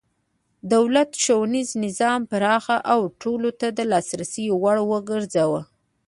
دولت ښوونیز نظام پراخ او ټولو ته د لاسرسي وړ وګرځاوه.